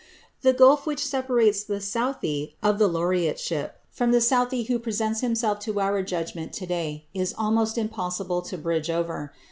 The gulf which separates the =Southey (1774 1843)= of the laureateship from the Southey who presents himself to our judgment to day is almost impossible to bridge over.